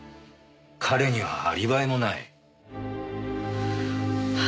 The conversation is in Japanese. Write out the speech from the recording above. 彼にはアリバイもない。